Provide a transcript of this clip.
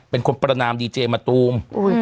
เป็นคนประนามดีเจมะตูม